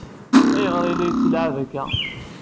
Ayɣer i la tt-yettlɛab akka?